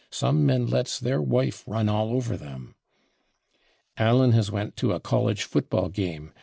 Some men /lets/ their /wife/ run all over them.... Allen has /went/ to a college football game.